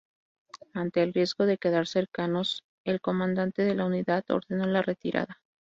Ante el riesgo de quedar cercados, el comandante de la unidad ordenó la retirada.